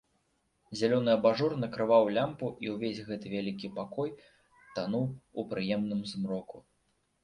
Зялёны абажур накрываў лямпу, і ўвесь гэты вялікі пакой тануў у прыемным змроку.